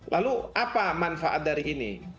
lalu apa manfaat dari ini